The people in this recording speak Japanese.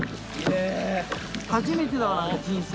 初めてだわ人生